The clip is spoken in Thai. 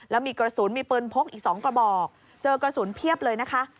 แล้วมีกระสุนมีปืนพกอีก๒กระบอกเจอกระสุนเพียบเลยนะคะ